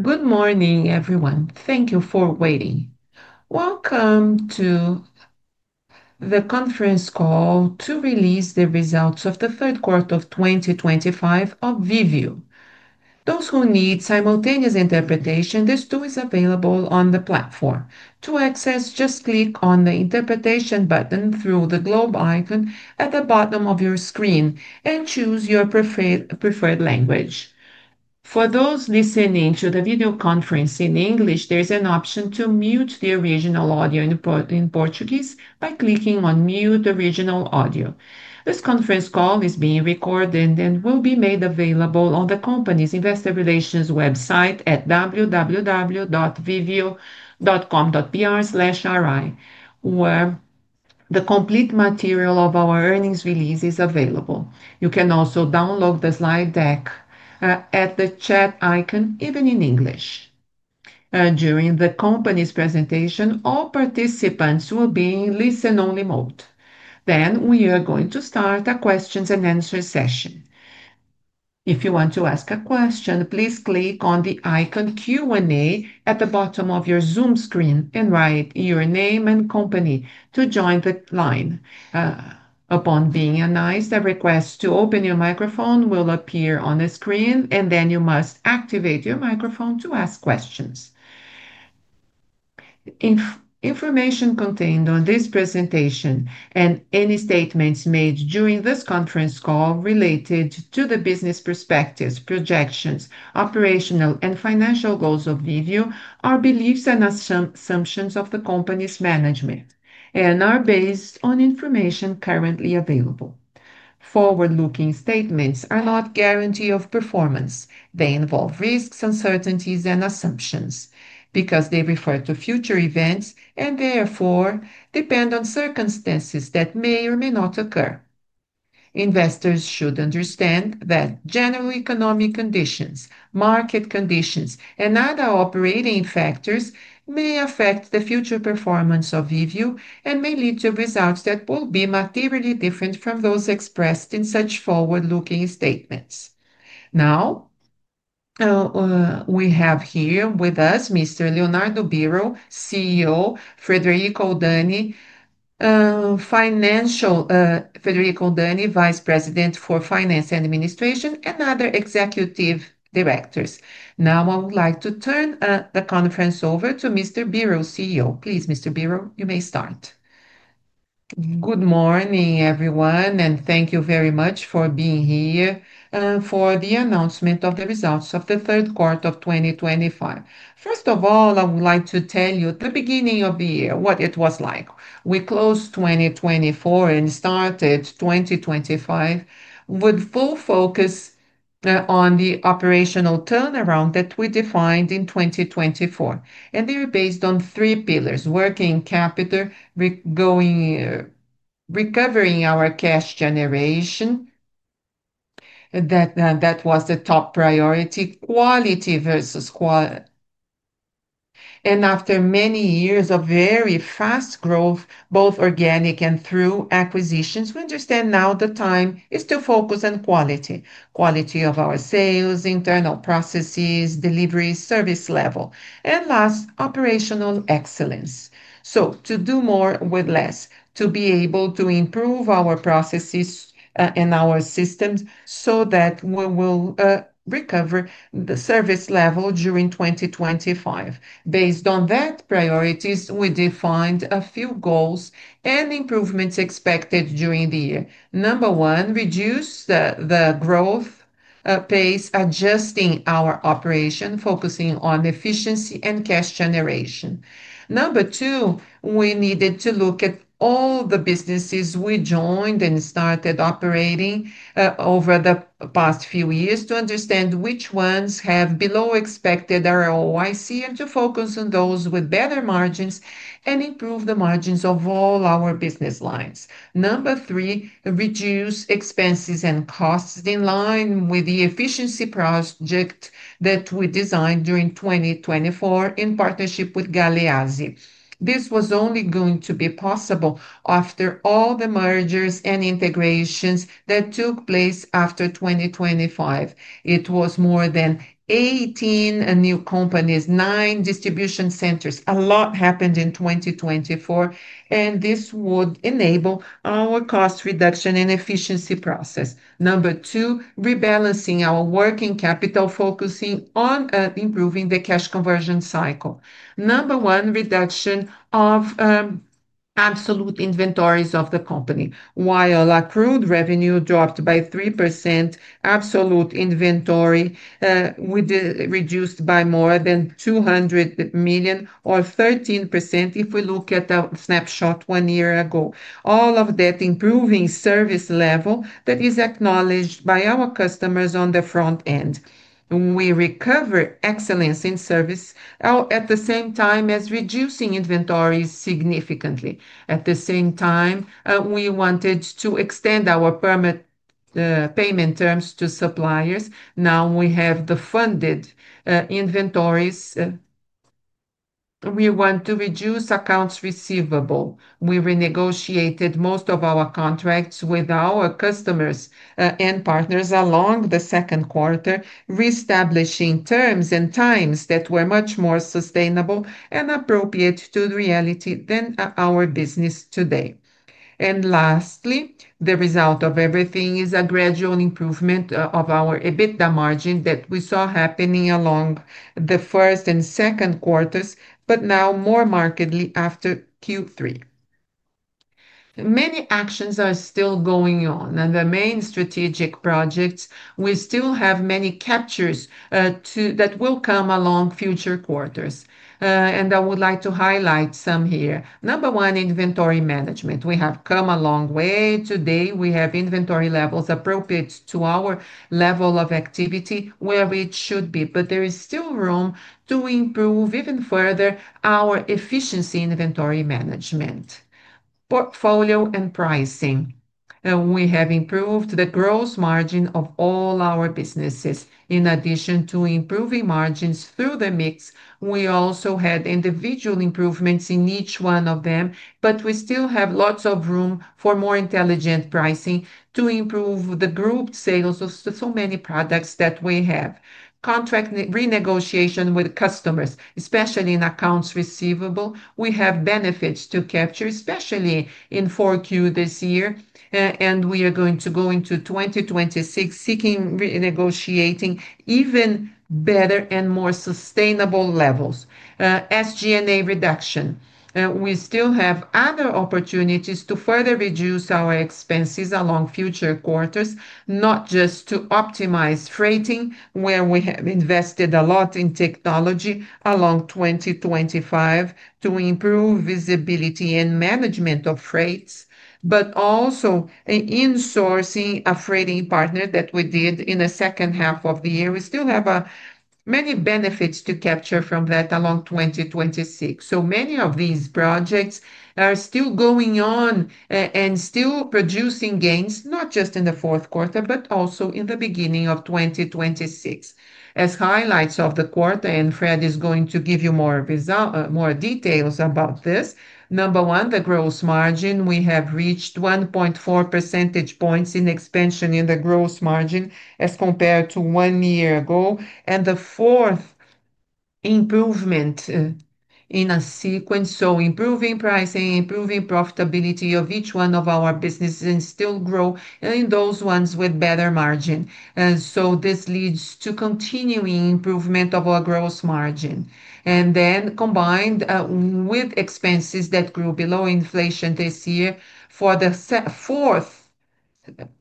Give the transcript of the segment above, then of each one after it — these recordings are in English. Good morning, everyone. Thank you for waiting. Welcome to the Conference Call to Release the Results of the Third Quarter of 2025 of Viveo. Those who need simultaneous interpretation, this tool is available on the platform. To access, just click on the Interpretation button through the globe icon at the bottom of your screen and choose your preferred language. For those listening to the video conference in English, there is an option to mute the original audio in Portuguese by clicking on Mute Original Audio. This conference call is being recorded and will be made available on the company's investor relations website at www.viveo.com.br/ri, where the complete material of our earnings release is available. You can also download the slide deck at the chat icon, even in English. During the company's presentation, all participants will be in listen-only mode. We are going to start a questions and answers session. If you want to ask a question, please click on the icon Q&A at the bottom of your Zoom screen and write your name and company to join the line. Upon being announced, a request to open your microphone will appear on the screen, and then you must activate your microphone to ask questions. Information contained on this presentation and any statements made during this conference call related to the business perspectives, projections, operational, and financial goals of Viveo are beliefs and assumptions of the company's management and are based on information currently available. Forward-looking statements are not a guarantee of performance. They involve risks, uncertainties, and assumptions because they refer to future events and therefore depend on circumstances that may or may not occur. Investors should understand that general economic conditions, market conditions, and other operating factors may affect the future performance of Viveo and may lead to results that will be materially different from those expressed in such forward-looking statements. Now, we have here with us Mr. Leonardo Byrro, CEO, Fredrico Oldani, Vice President for Finance and Administration, and other executive directors. Now, I would like to turn the conference over to Mr. Byrro, CEO. Please, Mr. Byrro, you may start. Good morning, everyone, and thank you very much for being here for the announcement of the results of the third quarter of 2025. First of all, I would like to tell you the beginning of the year, what it was like. We closed 2024 and started 2025 with full focus on the operational turnaround that we defined in 2024. They were based on three pillars: working capital, recovering our cash generation, that was the top priority, quality versus quality. After many years of very fast growth, both organic and through acquisitions, we understand now the time is to focus on quality. Quality of our sales, internal processes, delivery, service level, and last, operational excellence. To do more with less, to be able to improve our processes and our systems so that we will recover the service level during 2025. Based on that priorities, we defined a few goals and improvements expected during the year. Number one, reduce the growth pace, adjusting our operation, focusing on efficiency and cash generation. Number two, we needed to look at all the businesses we joined and started operating over the past few years to understand which ones have below expected ROIC and to focus on those with better margins and improve the margins of all our business lines. Number three, reduce expenses and costs in line with the efficiency project that we designed during 2024 in partnership with Galease. This was only going to be possible after all the mergers and integrations that took place after 2025. It was more than 18 new companies, nine distribution centers. A lot happened in 2024, and this would enable our cost reduction and efficiency process. Number two, rebalancing our working capital, focusing on improving the cash conversion cycle. Number one, reduction of absolute inventories of the company. While accrued revenue dropped by 3%, absolute inventory reduced by more than 200 million, or 13% if we look at a snapshot one year ago. All of that improving service level that is acknowledged by our customers on the front end. We recover excellence in service at the same time as reducing inventories significantly. At the same time, we wanted to extend our payment terms to suppliers. Now we have the funded inventories. We want to reduce accounts receivable. We renegotiated most of our contracts with our customers and partners along the second quarter, reestablishing terms and times that were much more sustainable and appropriate to reality than our business today. Lastly, the result of everything is a gradual improvement of our EBITDA margin that we saw happening along the first and second quarters, but now more markedly after Q3. Many actions are still going on. The main strategic projects, we still have many captures that will come along future quarters. I would like to highlight some here. Number one, inventory management. We have come a long way. Today, we have inventory levels appropriate to our level of activity where it should be, but there is still room to improve even further our efficiency inventory management. Portfolio and pricing. We have improved the gross margin of all our businesses. In addition to improving margins through the mix, we also had individual improvements in each one of them, but we still have lots of room for more intelligent pricing to improve the group sales of so many products that we have. Contract renegotiation with customers, especially in accounts receivable, we have benefits to capture, especially in Q4 this year, and we are going to go into 2026 seeking renegotiating even better and more sustainable levels. SG&A reduction. We still have other opportunities to further reduce our expenses along future quarters, not just to optimize freighting where we have invested a lot in technology along 2025 to improve visibility and management of freights, but also in sourcing a freighting partner that we did in the second half of the year. We still have many benefits to capture from that along 2026. Many of these projects are still going on and still producing gains, not just in the fourth quarter, but also in the beginning of 2026. As highlights of the quarter, and Fred is going to give you more details about this. Number one, the gross margin. We have reached 1.4 percentage points in expansion in the gross margin as compared to one year ago. The fourth improvement in a sequence, improving pricing, improving profitability of each one of our businesses and still grow in those ones with better margin. This leads to continuing improvement of our gross margin. Combined with expenses that grew below inflation this year, for the fourth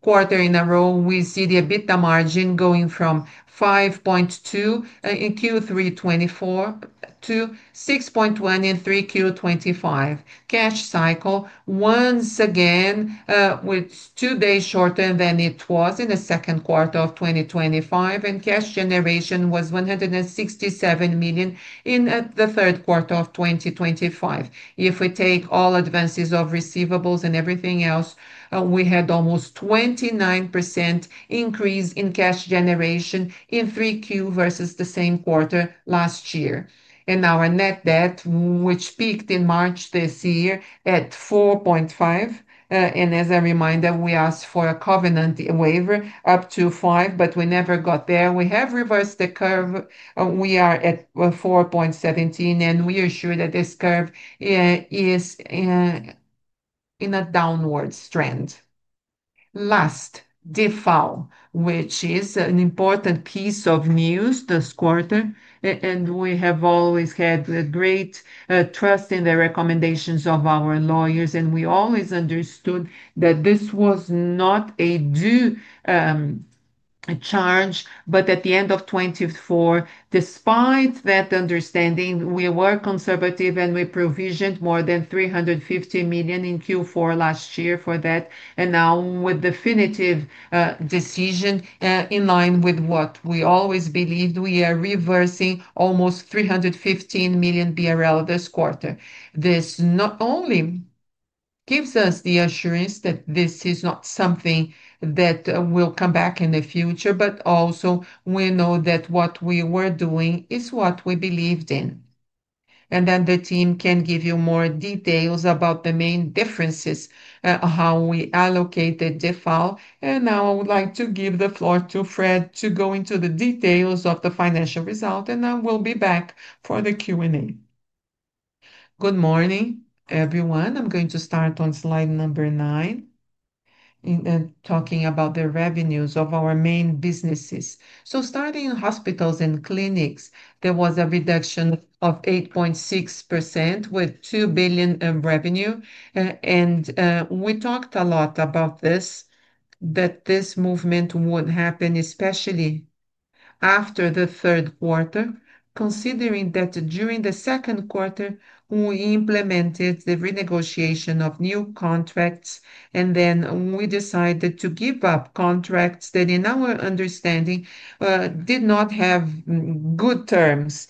quarter in a row, we see the EBITDA margin going from 5.2% in Q3 2024 to 6.1% in Q3 2025. Cash cycle, once again, with two days shorter than it was in the second quarter of 2025, and cash generation was 167 million in the third quarter of 2025. If we take all advances of receivables and everything else, we had almost 29% increase in cash generation in Q3 versus the same quarter last year. Our net debt, which peaked in March this year at 4.5x. As a reminder, we asked for a covenant waiver up to 5x, but we never got there. We have reversed the curve. We are at 4.17x, and we are sure that this curve is in a downward trend. Last, DIFAL, which is an important piece of news this quarter, and we have always had great trust in the recommendations of our lawyers, and we always understood that this was not a due charge, but at the end of 2024, despite that understanding, we were conservative and we provisioned more than 350 million in Q4 last year for that. Now with definitive decision in line with what we always believed, we are reversing almost 315 million BRL this quarter. This not only gives us the assurance that this is not something that will come back in the future, but also we know that what we were doing is what we believed in. The team can give you more details about the main differences, how we allocated DIFAL. I would like to give the floor to Fred to go into the details of the financial result, and I will be back for the Q&A. Good morning, everyone. I'm going to start on slide number 9, talking about the revenues of our main businesses. Starting in hospitals and clinics, there was a reduction of 8.6% with 2 billion of revenue. We talked a lot about this, that this movement would happen especially after the third quarter, considering that during the second quarter, we implemented the renegotiation of new contracts, and then we decided to give up contracts that in our understanding did not have good terms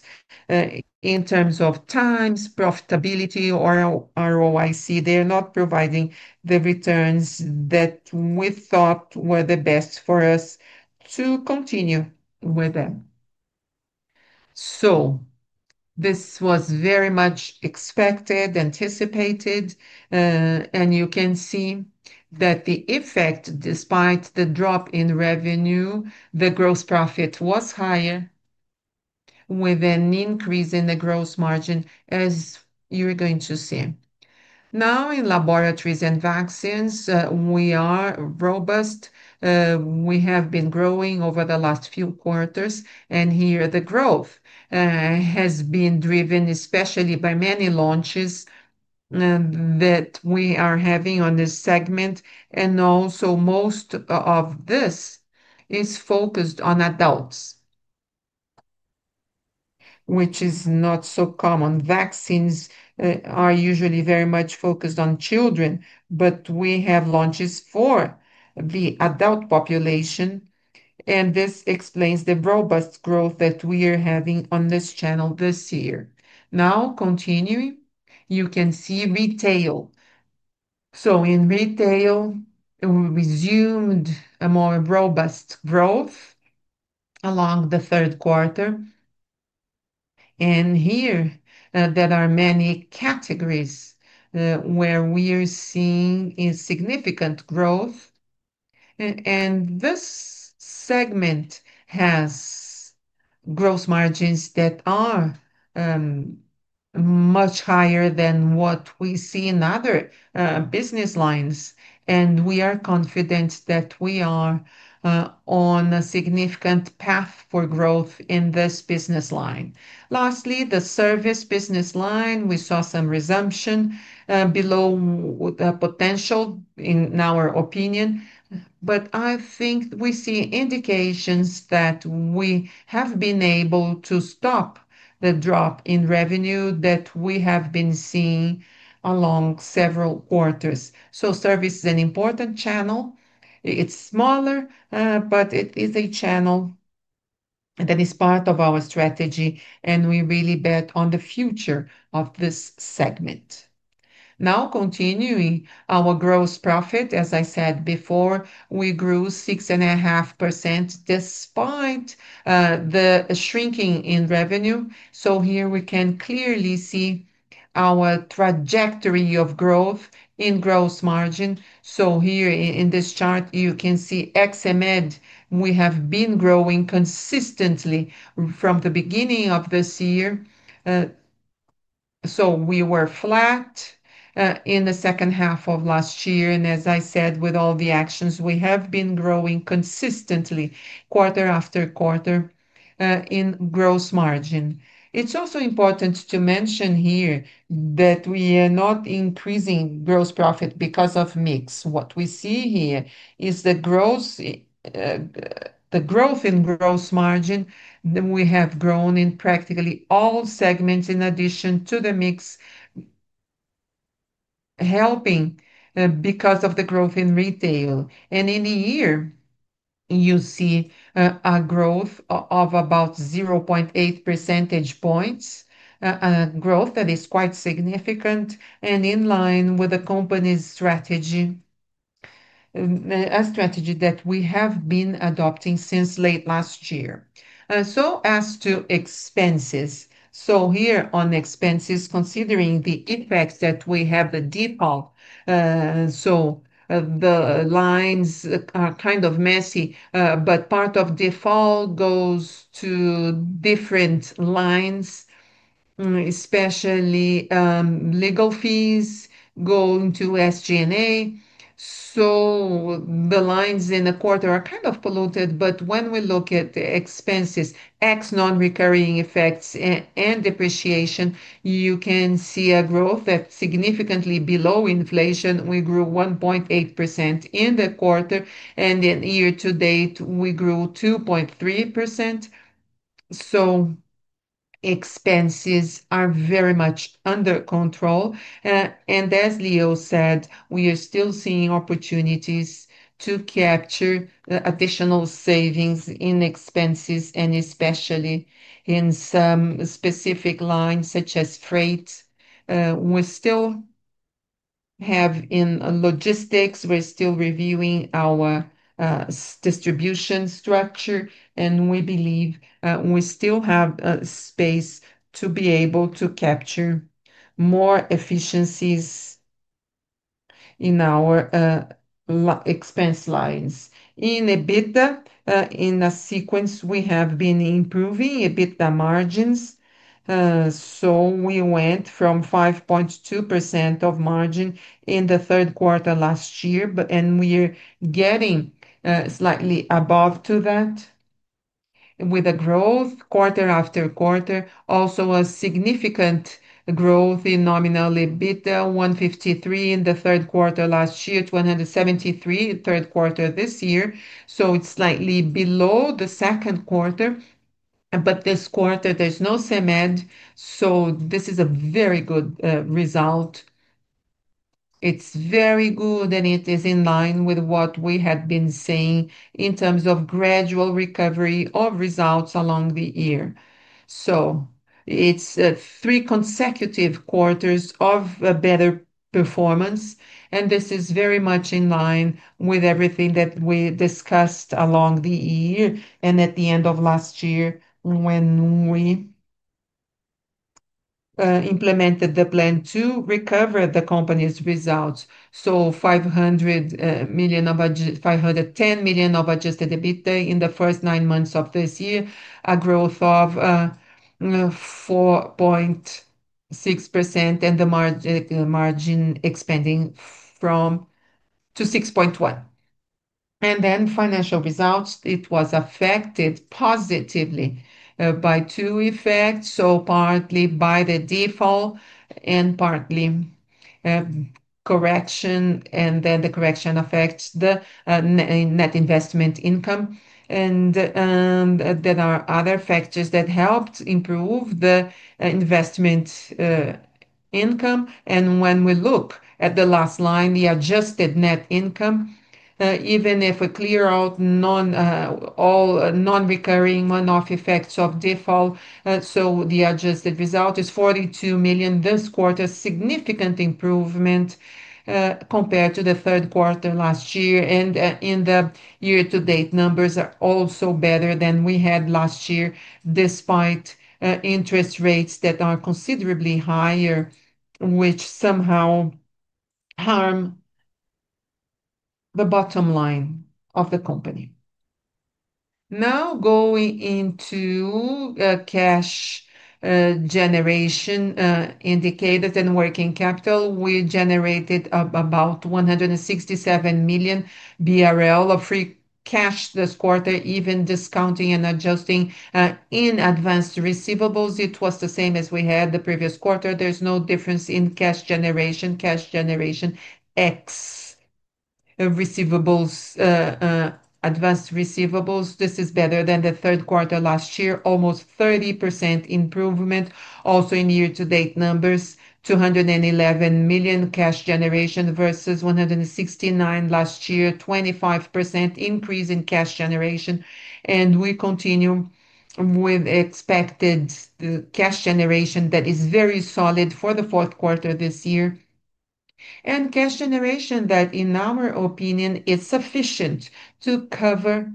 in terms of times, profitability, or ROIC. They are not providing the returns that we thought were the best for us to continue with them. This was very much expected, anticipated, and you can see that the effect, despite the drop in revenue, the gross profit was higher with an increase in the gross margin, as you are going to see. Now, in laboratories and vaccines, we are robust. We have been growing over the last few quarters, and here the growth has been driven especially by many launches that we are having on this segment. Also, most of this is focused on adults, which is not so common. Vaccines are usually very much focused on children, but we have launches for the adult population, and this explains the robust growth that we are having on this channel this year. Now, continuing, you can see retail. In retail, we resumed a more robust growth along the third quarter. Here there are many categories where we are seeing significant growth. This segment has gross margins that are much higher than what we see in other business lines. We are confident that we are on a significant path for growth in this business line. Lastly, the service business line, we saw some resumption below potential in our opinion, but I think we see indications that we have been able to stop the drop in revenue that we have been seeing along several quarters. Service is an important channel. It's smaller, but it is a channel that is part of our strategy, and we really bet on the future of this segment. Now, continuing our gross profit, as I said before, we grew 6.5% despite the shrinking in revenue. Here we can clearly see our trajectory of growth in gross margin. Here in this chart, you can see ex CMED. We have been growing consistently from the beginning of this year. We were flat in the second half of last year. As I said, with all the actions, we have been growing consistently quarter after quarter in gross margin. It's also important to mention here that we are not increasing gross profit because of mix. What we see here is the growth in gross margin that we have grown in practically all segments in addition to the mix, helping because of the growth in retail. In a year, you see a growth of about 0.8 percentage points, a growth that is quite significant and in line with the company's strategy, a strategy that we have been adopting since late last year. As to expenses, here on expenses, considering the effects that we have the default, the lines are kind of messy, but part of default goes to different lines, especially legal fees going to SG&A. The lines in the quarter are kind of polluted, but when we look at the expenses, ex non-recurring effects and depreciation, you can see a growth that is significantly below inflation. We grew 1.8% in the quarter, and in year to date, we grew 2.3%. Expenses are very much under control. As Leo said, we are still seeing opportunities to capture additional savings in expenses, especially in some specific lines such as freight. We still have in logistics, we are still reviewing our distribution structure, and we believe we still have space to be able to capture more efficiencies in our expense lines. In EBITDA, in a sequence, we have been improving EBITDA margins. We went from 5.2% of margin in the third quarter last year, and we are getting slightly above to that with a growth quarter after quarter. Also a significant growth in nominal EBITDA, 153 million in the third quarter last year to 173 million third quarter this year. It is slightly below the second quarter, but this quarter there is no CMED. This is a very good result. It's very good, and it is in line with what we had been saying in terms of gradual recovery of results along the year. It's three consecutive quarters of better performance, and this is very much in line with everything that we discussed along the year. At the end of last year, when we implemented the plan to recover the company's results, 510 million of adjusted EBITDA in the first nine months of this year, a growth of 4.6% and the margin expanding from to 6.1%. Financial results, it was affected positively by two effects, partly by the default and partly correction, and the correction affects the net investment income. There are other factors that helped improve the investment income. When we look at the last line, the adjusted net income, even if I clear out non-recurring one-off effects of default, the adjusted result is 42 million this quarter, significant improvement compared to the third quarter last year. In the year to date, numbers are also better than we had last year, despite interest rates that are considerably higher, which somehow harm the bottom line of the company. Now going into cash generation indicators and working capital, we generated about 167 million BRL of free cash this quarter, even discounting and adjusting in advanced receivables. It was the same as we had the previous quarter. There's no difference in cash generation, cash generation X receivables, advanced receivables. This is better than the third quarter last year, almost 30% improvement. Also in year to date numbers, 211 million cash generation versus 169 million last year, 25% increase in cash generation. We continue with expected cash generation that is very solid for the fourth quarter this year. Cash generation, in our opinion, is sufficient to cover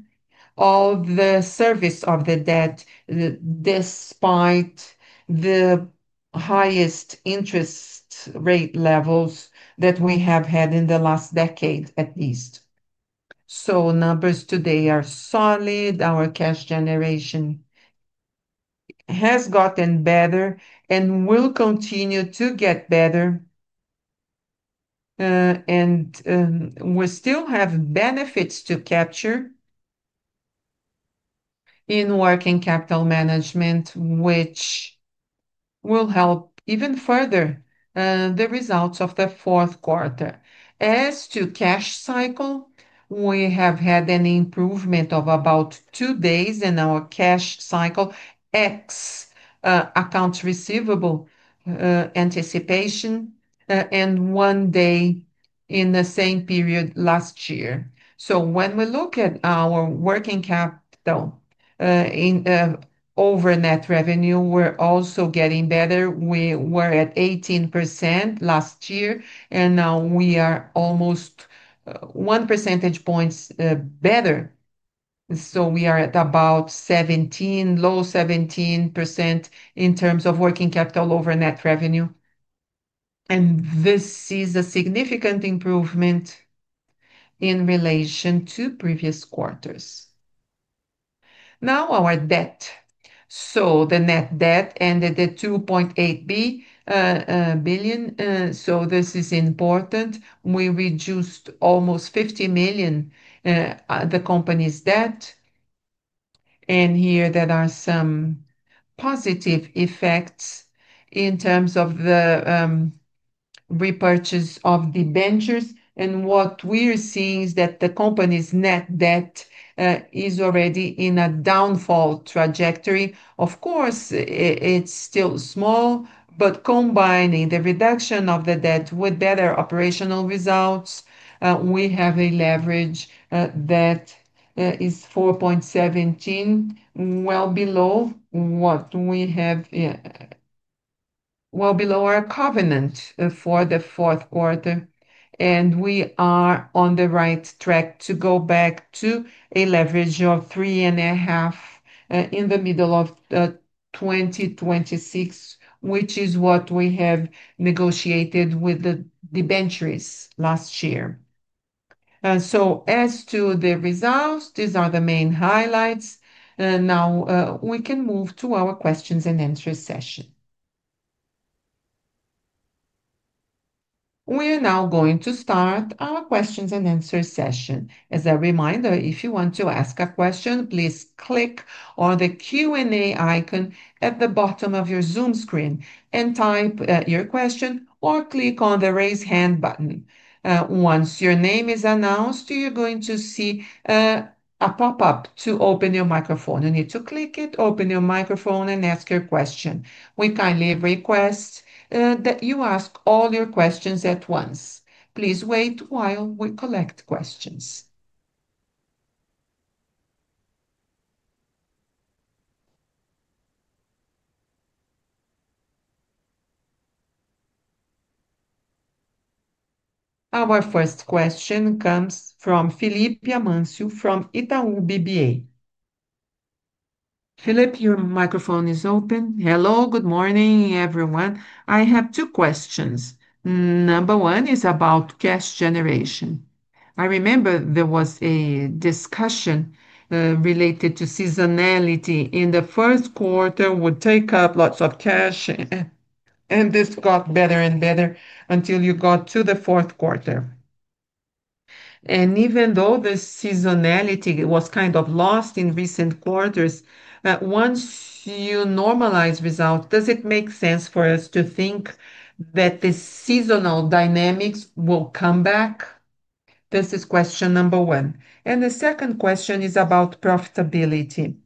all the service of the debt despite the highest interest rate levels that we have had in the last decade at least. Numbers today are solid. Our cash generation has gotten better and will continue to get better. We still have benefits to capture in working capital management, which will help even further the results of the fourth quarter. As to cash cycle, we have had an improvement of about two days in our cash cycle X accounts receivable anticipation and one day in the same period last year. When we look at our working capital over net revenue, we're also getting better. We were at 18% last year, and now we are almost 1 percentage point better. We are at about 17%, low 17% in terms of working capital over net revenue. This is a significant improvement in relation to previous quarters. Now our debt. The net debt ended at 2.8 billion. This is important. We reduced almost 50 million of the company's debt. Here there are some positive effects in terms of the repurchase of the debentures. What we are seeing is that the company's net debt is already in a downfall trajectory. Of course, it's still small, but combining the reduction of the debt with better operational results, we have a leverage that is 4.17x, well below what we have, well below our covenant for the fourth quarter. We are on the right track to go back to a leverage of 3.5x in the middle of 2026, which is what we have negotiated with the ventures last year. As to the results, these are the main highlights. Now we can move to our questions and answers session. We are now going to start our questions and answers session. As a reminder, if you want to ask a question, please click on the Q&A icon at the bottom of your Zoom screen and type your question or click on the raise hand button. Once your name is announced, you are going to see a pop-up to open your microphone. You need to click it, open your microphone, and ask your question. We kindly request that you ask all your questions at once. Please wait while we collect questions. Our first question comes from Philippe Biamansu from Itaú BBA. Philippe, your microphone is open. Hello, good morning everyone. I have two questions. Number one is about cash generation. I remember there was a discussion related to seasonality in the first quarter would take up lots of cash, and this got better and better until you got to the fourth quarter. Even though the seasonality was kind of lost in recent quarters, once you normalize results, does it make sense for us to think that the seasonal dynamics will come back? This is question number one. The second question is about profitability.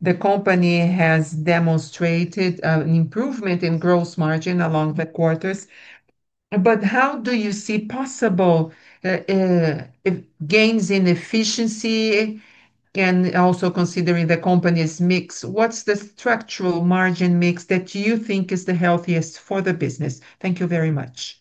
The company has demonstrated an improvement in gross margin along the quarters, but how do you see possible gains in efficiency and also considering the company's mix? What is the structural margin mix that you think is the healthiest for the business? Thank you very much.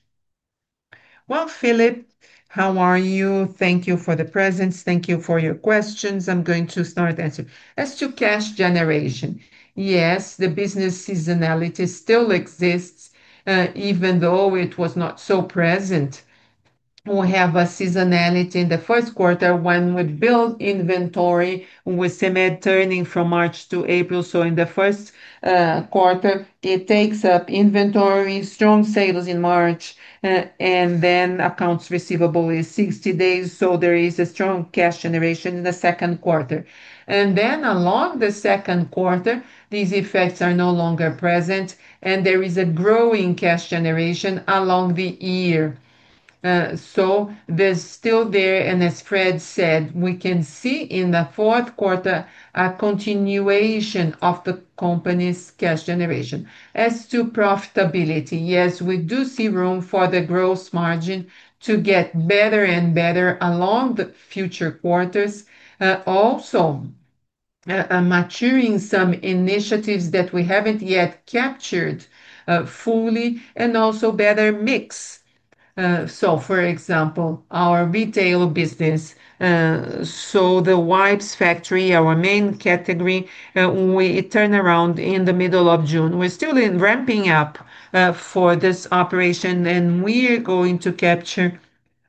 Philippe, how are you? Thank you for the presence. Thank you for your questions. I'm going to start answering. As to cash generation, yes, the business seasonality still exists even though it was not so present. We have a seasonality in the first quarter when we build inventory with CMED turning from March to April. In the first quarter, it takes up inventory, strong sales in March, and then accounts receivable is 60 days. There is a strong cash generation in the second quarter. Along the second quarter, these effects are no longer present and there is a growing cash generation along the year. There's still there and as Fred said, we can see in the fourth quarter a continuation of the company's cash generation. As to profitability, yes, we do see room for the gross margin to get better and better along the future quarters. Also, maturing some initiatives that we haven't yet captured fully and also better mix. For example, our retail business, so the wipes factory, our main category, we turn around in the middle of June. We're still ramping up for this operation and we're going to capture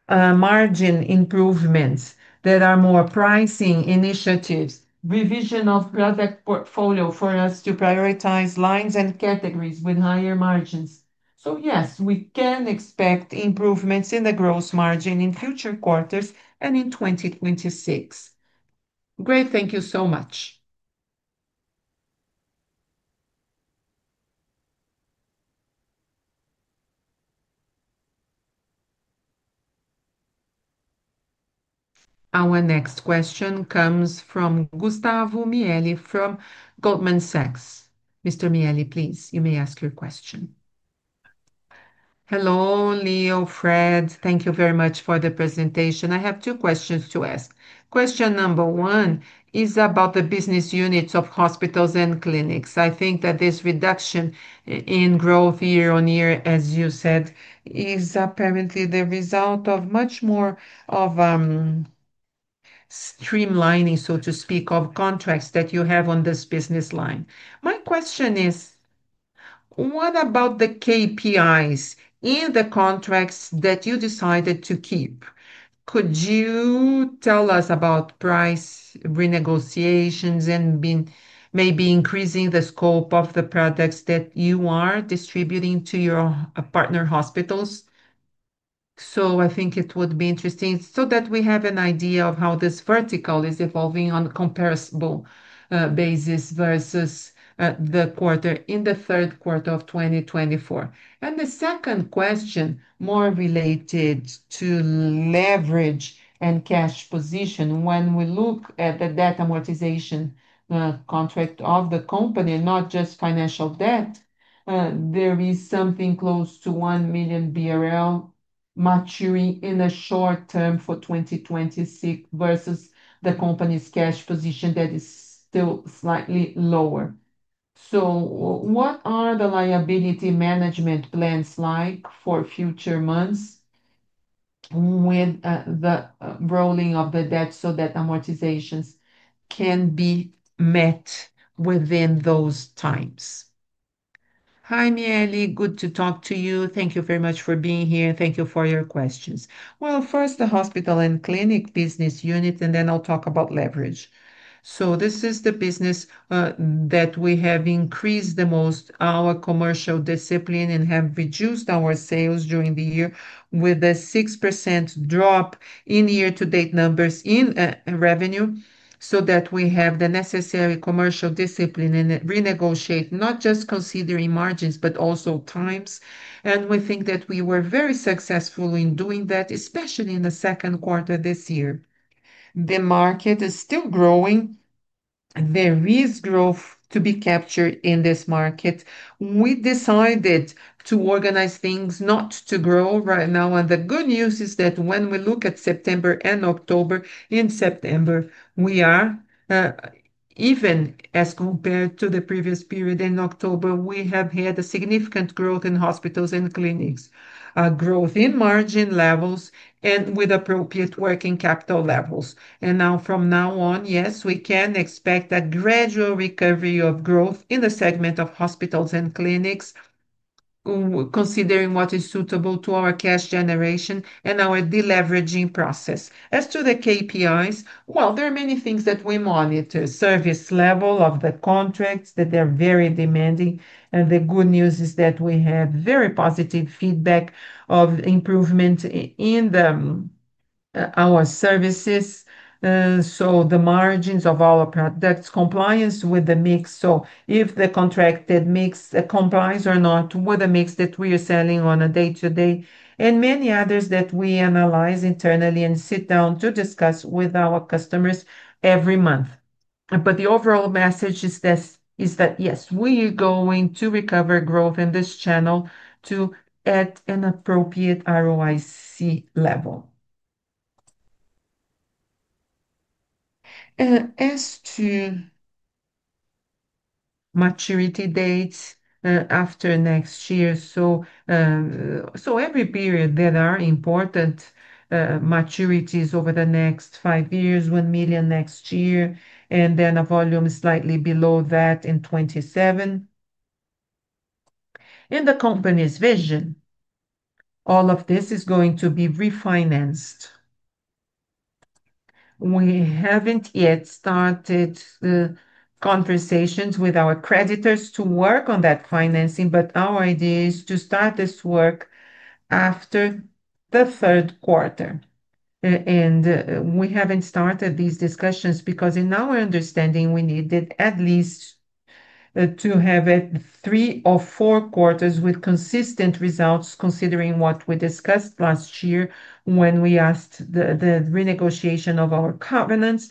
margin improvements that are more pricing initiatives, revision of product portfolio for us to prioritize lines and categories with higher margins. Yes, we can expect improvements in the gross margin in future quarters and in 2026. Great, thank you so much. Our next question comes from Gustavo Miele from Goldman Sachs. Mr. Miele, please, you may ask your question. Hello, Leo, Fred, thank you very much for the presentation. I have two questions to ask. Question number one is about the business units of hospitals and clinics. I think that this reduction in growth year on year, as you said, is apparently the result of much more of streamlining, so to speak, of contracts that you have on this business line. My question is, what about the KPIs in the contracts that you decided to keep? Could you tell us about price renegotiations and maybe increasing the scope of the products that you are distributing to your partner hospitals? I think it would be interesting so that we have an idea of how this vertical is evolving on a comparable basis versus the quarter in the third quarter of 2024. The second question more related to leverage and cash position. When we look at the debt amortization contract of the company, not just financial debt, there is something close to 1 million BRL maturing in the short term for 2026 versus the company's cash position that is still slightly lower. What are the liability management plans like for future months with the rolling of the debt so that amortizations can be met within those times? Hi, Miele, good to talk to you. Thank you very much for being here. Thank you for your questions. First, the hospital and clinic business unit, and then I'll talk about leverage. This is the business that we have increased the most, our commercial discipline, and have reduced our sales during the year with a 6% drop in year-to-date numbers in revenue so that we have the necessary commercial discipline and renegotiate, not just considering margins, but also times. We think that we were very successful in doing that, especially in the second quarter this year. The market is still growing. There is growth to be captured in this market. We decided to organize things not to grow right now. The good news is that when we look at September and October, in September, we are even as compared to the previous period. In October, we have had significant growth in hospitals and clinics, growth in margin levels, and with appropriate working capital levels. From now on, yes, we can expect that gradual recovery of growth in the segment of hospitals and clinics, considering what is suitable to our cash generation and our deleveraging process. As to the KPIs, there are many things that we monitor: service level of the contracts that they're very demanding. The good news is that we have very positive feedback of improvement in our services. The margins of our products, compliance with the mix. If the contracted mix complies or not with the mix that we are selling on a day-to-day, and many others that we analyze internally and sit down to discuss with our customers every month. The overall message is that yes, we are going to recover growth in this channel to add an appropriate ROIC level. As to maturity dates after next year, every period that are important maturities over the next five years, 1 million next year, and then a volume slightly below that in 2027. In the company's vision, all of this is going to be refinanced. We haven't yet started conversations with our creditors to work on that financing, but our idea is to start this work after the third quarter. We haven't started these discussions because in our understanding, we needed at least to have three or four quarters with consistent results, considering what we discussed last year when we asked the renegotiation of our covenants.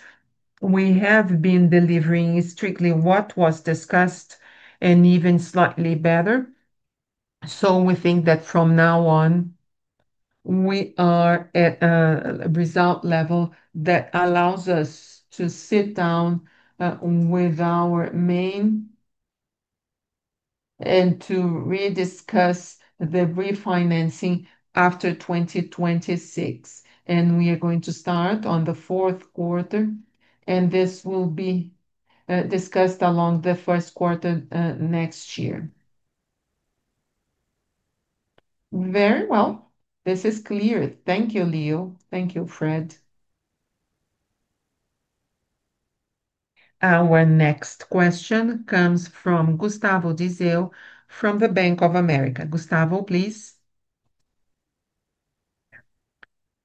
We have been delivering strictly what was discussed and even slightly better. We think that from now on, we are at a result level that allows us to sit down with our main and to rediscuss the refinancing after 2026. We are going to start on the fourth quarter, and this will be discussed along the first quarter next year. Very well. This is clear. Thank you, Leo. Thank you, Fred. Our next question comes from Gustavo Dizeo from Bank of America. Gustavo, please.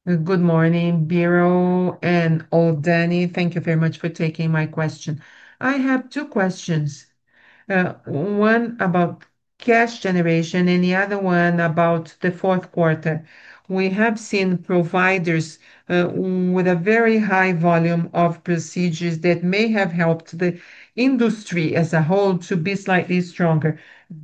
Good morning, Byrro and Oldani. Thank you very much for taking my question. I have two questions. One about cash generation and the other one about the fourth quarter. We have seen providers with a very high volume of procedures that may have helped the industry as a whole to be slightly stronger.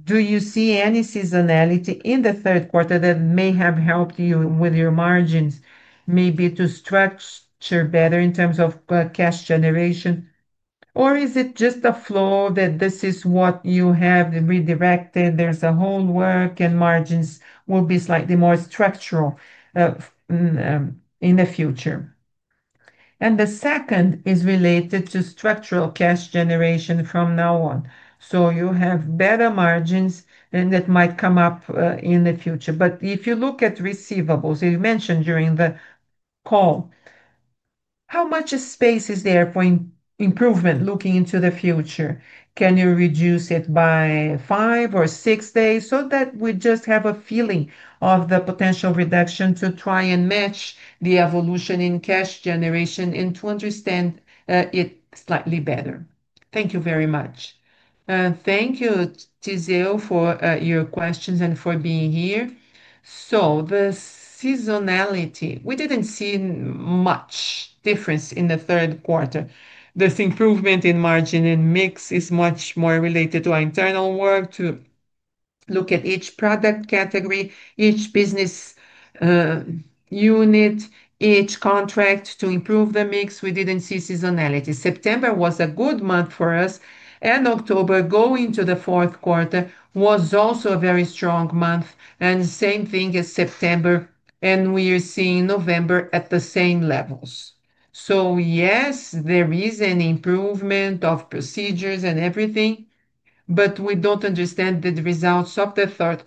Do you see any seasonality in the third quarter that may have helped you with your margins, maybe to structure better in terms of cash generation? Or is it just a flow that this is what you have redirected? There is a whole work and margins will be slightly more structural in the future. The second is related to structural cash generation from now on. You have better margins and that might come up in the future. If you look at receivables, as you mentioned during the call, how much space is there for improvement looking into the future? Can you reduce it by five or six days so that we just have a feeling of the potential reduction to try and match the evolution in cash generation and to understand it slightly better? Thank you very much. Thank you, Dizeo, for your questions and for being here. The seasonality, we did not see much difference in the third quarter. This improvement in margin and mix is much more related to our internal work to look at each product category, each business unit, each contract to improve the mix. We did not see seasonality. September was a good month for us, and October going to the fourth quarter was also a very strong month, and same thing as September, and we are seeing November at the same levels. Yes, there is an improvement of procedures and everything, but we do not understand the results of the third,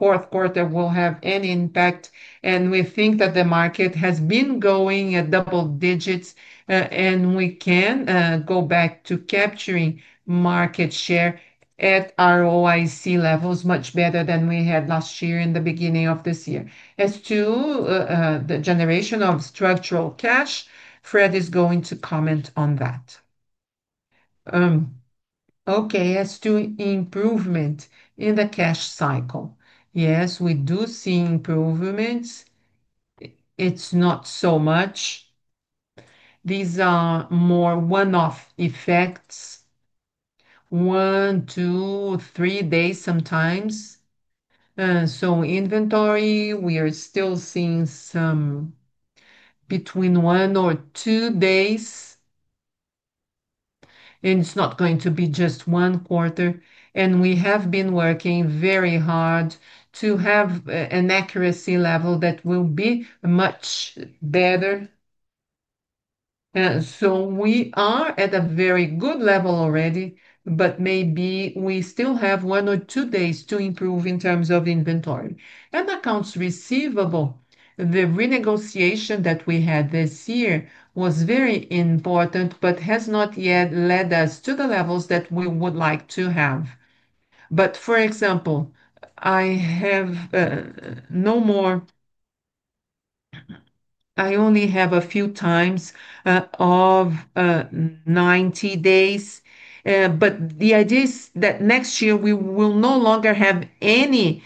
fourth quarter will have any impact, and we think that the market has been going at double digits, and we can go back to capturing market share at ROIC levels much better than we had last year in the beginning of this year. As to the generation of structural cash, Fred is going to comment on that. Okay, as to improvement in the cash cycle, yes, we do see improvements. It is not so much. These are more one-off effects, one, two, three days sometimes. Inventory, we are still seeing some between one or two days, and it is not going to be just one quarter. We have been working very hard to have an accuracy level that will be much better. We are at a very good level already, but maybe we still have one or two days to improve in terms of inventory. Accounts receivable, the renegotiation that we had this year was very important, but has not yet led us to the levels that we would like to have. For example, I have no more, I only have a few times of 90 days, but the idea is that next year we will no longer have any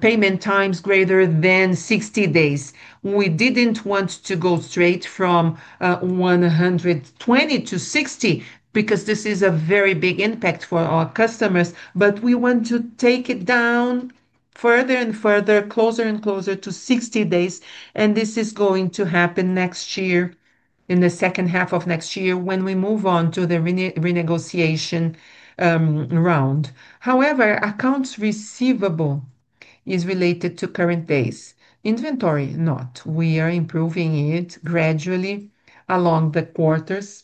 payment times greater than 60 days. We did not want to go straight from 120 to 60 because this is a very big impact for our customers, but we want to take it down further and further, closer and closer to 60 days. This is going to happen next year in the second half of next year when we move on to the renegotiation round. However, accounts receivable is related to current days. Inventory, not. We are improving it gradually along the quarters.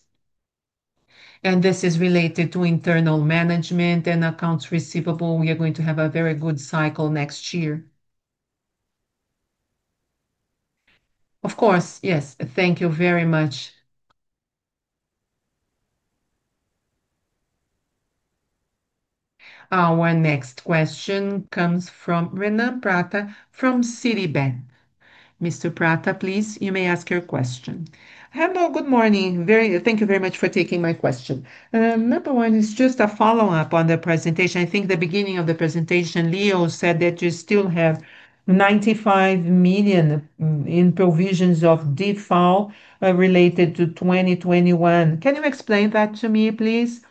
This is related to internal management and accounts receivable. We are going to have a very good cycle next year. Of course, yes. Thank you very much. Our next question comes from Renan Prata from Citibank. Mr. Prata, please, you may ask your question. Hello, good morning. Thank you very much for taking my question. Number one is just a follow-up on the presentation. I think the beginning of the presentation, Leo said that you still have 95 million in provisions of default related to 2021. Can you explain that to me, please?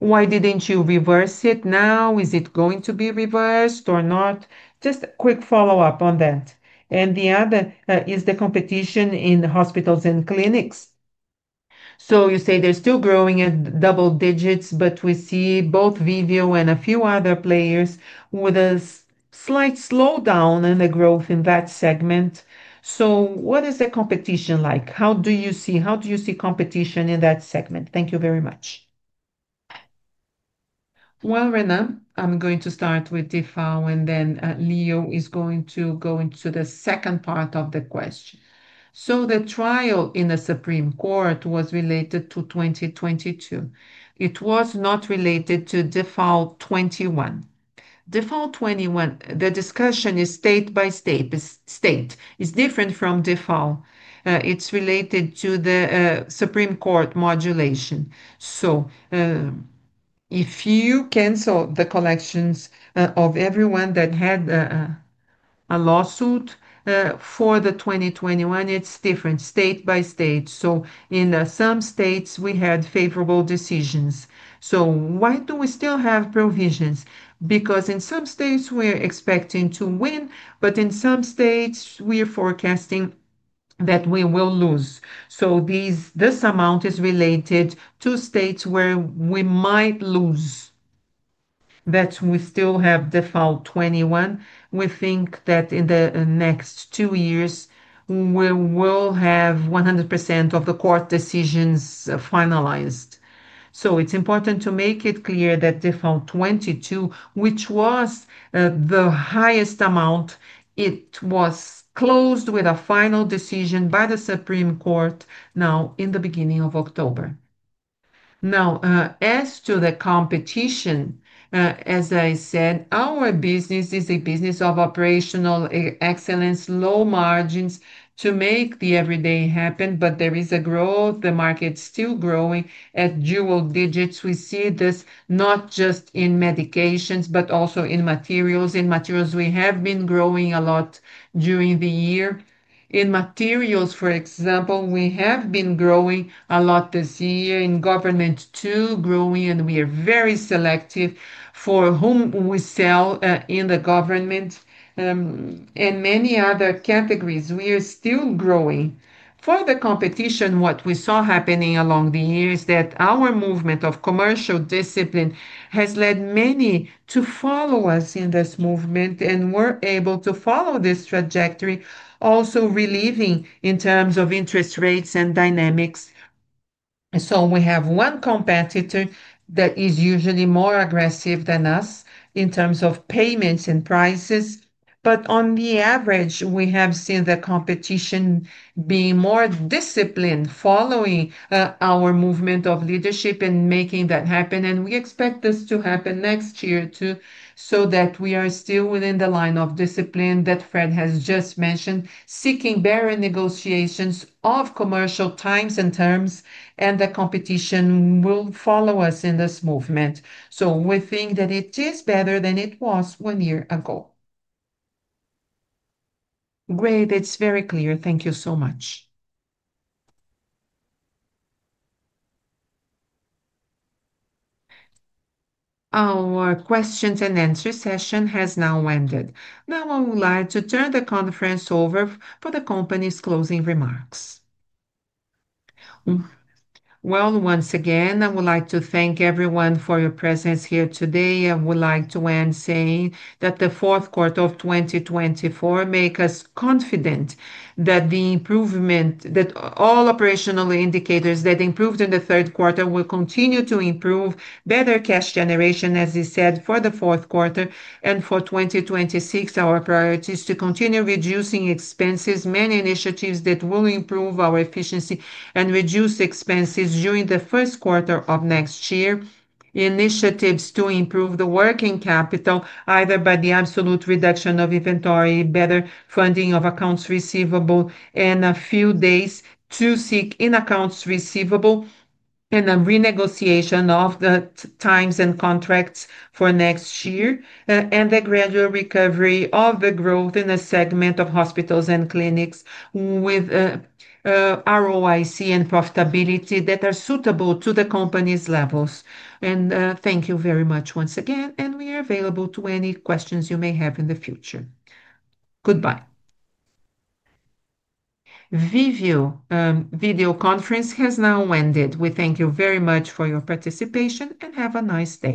Why did not you reverse it now? Is it going to be reversed or not? Just a quick follow-up on that. The other is the competition in hospitals and clinics. You say they are still growing at double digits, but we see both Viveo and a few other players with a slight slowdown in the growth in that segment. What is the competition like? How do you see competition in that segment? Thank you very much. Renan, I am going to start with default, and then Leo is going to go into the second part of the question. The trial in the Supreme Court was related to 2022. It was not related to default 2021. Default 2021, the discussion is state by state. It's different from default. It's related to the Supreme Court modulation. If you cancel the collections of everyone that had a lawsuit for 2021, it's different state by state. In some states, we had favorable decisions. Why do we still have provisions? In some states, we're expecting to win, but in some states, we're forecasting that we will lose. This amount is related to states where we might lose. We still have default 2021. We think that in the next two years, we will have 100% of the court decisions finalized. It's important to make it clear that default 2022, which was the highest amount, was closed with a final decision by the Supreme Court now in the beginning of October. Now, as to the competition, as I said, our business is a business of operational excellence, low margins to make the everyday happen, but there is a growth. The market's still growing at dual digits. We see this not just in medications, but also in materials. In materials, we have been growing a lot during the year. In government too, growing, and we are very selective for whom we sell in the government and many other categories. We are still growing. For the competition, what we saw happening along the year is that our movement of commercial discipline has led many to follow us in this movement, and we're able to follow this trajectory, also relieving in terms of interest rates and dynamics. We have one competitor that is usually more aggressive than us in terms of payments and prices, but on the average, we have seen the competition being more disciplined, following our movement of leadership and making that happen. We expect this to happen next year too, so that we are still within the line of discipline that Fred has just mentioned, seeking better negotiations of commercial times and terms, and the competition will follow us in this movement. We think that it is better than it was one year ago. Great. It's very clear. Thank you so much. Our questions and answer session has now ended. I would like to turn the conference over for the company's closing remarks. Once again, I would like to thank everyone for your presence here today. I would like to end saying that the fourth quarter of 2024 makes us confident that the improvement, that all operational indicators that improved in the third quarter will continue to improve better cash generation, as you said, for the fourth quarter and for 2026. Our priority is to continue reducing expenses, many initiatives that will improve our efficiency and reduce expenses during the first quarter of next year, initiatives to improve the working capital, either by the absolute reduction of inventory, better funding of accounts receivable, and a few days to seek in accounts receivable and a renegotiation of the times and contracts for next year, and the gradual recovery of the growth in a segment of hospitals and clinics with ROIC and profitability that are suitable to the company's levels. Thank you very much once again, and we are available to any questions you may have in the future. Goodbye. Viveo video conference has now ended. We thank you very much for your participation and have a nice day.